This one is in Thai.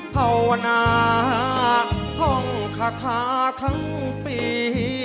ภาวนาท่องคาถาทั้งปี